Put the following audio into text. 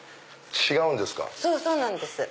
違うんですか。